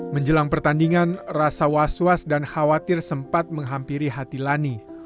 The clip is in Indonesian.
menjelang pertandingan rasa was was dan khawatir sempat menghampiri hati lani